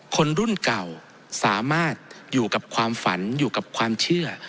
คนรุ่นเก่าสามารถอยู่กับความฝันอยู่กับความเชื่อ